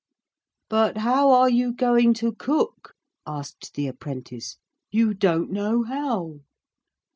'But how are you going to cook?' asked the apprentice. 'You don't know how!'